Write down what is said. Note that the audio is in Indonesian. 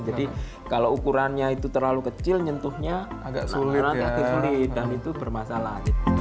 jadi kalau ukurannya itu terlalu kecil nyentuhnya agak sulit dan itu bermasalah